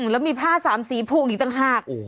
แล้วมีผ้าสามสีผูกอีกต่างหาก